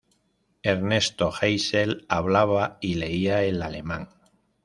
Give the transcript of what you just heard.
Ernesto Geisel hablaba y leía el alemán.